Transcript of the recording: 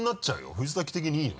藤崎的にいいの？